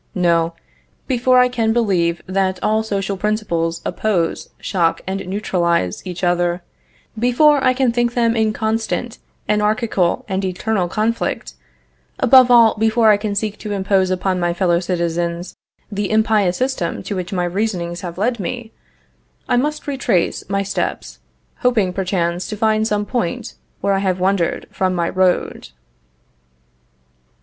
No; before I can believe that all social principles oppose, shock and neutralize each other; before I can think them in constant, anarchical and eternal conflict; above all, before I can seek to impose upon my fellow citizens the impious system to which my reasonings have led me, I must retrace my steps, hoping, perchance, to find some point where I have wandered from my road."